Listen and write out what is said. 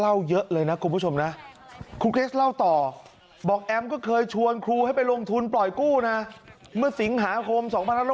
เล่าเยอะเลยนะคุณผู้ชมนะครูเกรสเล่าต่อบอกแอมก็เคยชวนครูให้ไปลงทุนปล่อยกู้นะเมื่อสิงหาคม๒๕๖๐